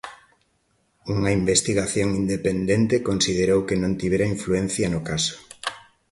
Unha investigación independente considerou que non tivera influencia no caso.